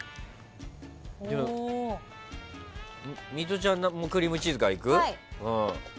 ミトちゃんもクリームチーズからいく。